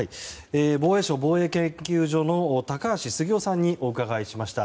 防衛省防衛研究所の高橋杉雄さんにお伺いしました。